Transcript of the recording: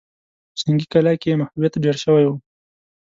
په جنګي کلا کې يې محبوبيت ډېر شوی و.